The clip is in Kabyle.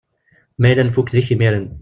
Ma yella nfuk zik imiren.